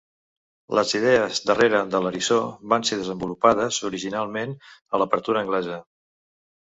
Les idees darrere de l'eriçó van ser desenvolupades originalment a l'apertura anglesa.